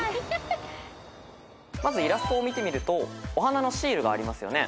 まずイラストを見てみるとお花のシールがありますよね。